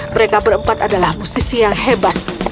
mereka berempat adalah musisi yang hebat